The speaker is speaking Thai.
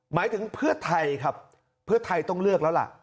หมายถึงเพื่อไทยครับเพื่อไทยต้องเลือกแล้วล่ะ